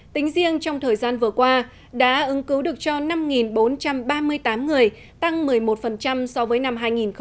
tính riêng trong thời gian vừa qua đã ứng cứu được cho năm bốn trăm ba mươi tám người tăng một mươi một so với năm hai nghìn một mươi bảy